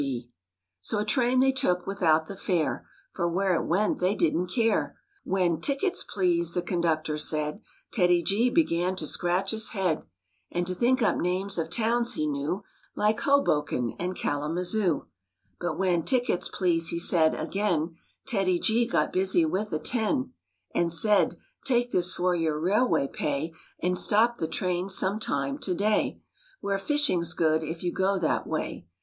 THE BEARS GO FISHING 135 So a train they took without the fare, For where it went they didn't care. When " Tickets, please," the conductor said, TEDDY G began to scratch his head And to think up names of towns he knew, Like Hoboken and Kalamazoo; But when " Tickets, please," he said again, TEDDY G got busy with a ten And said, "Take this for your railway pay And stop the train some time to day Where fishing's good if you go that way."